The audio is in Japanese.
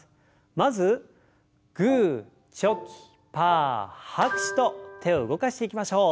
まずグーチョキパー拍手と手を動かしていきましょう。